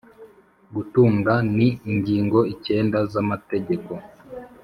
gutunga ni ingingo icyenda z'amategeko